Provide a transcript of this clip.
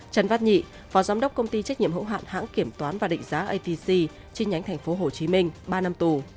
trần vát nhị phó giám đốc công ty trách nhiệm hỗ hạn hãng kiểm toán và định giá atc trên nhánh tp hcm ba năm tù